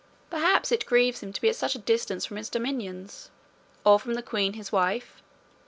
Perhaps it grieves him to be at such a distance from his dominions, or from the queen his wife?